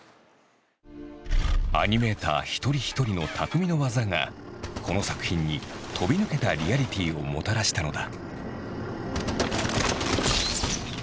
アニメーター一人一人の匠の技がこの作品に飛び抜けたリアリティーをもたらしたのだ。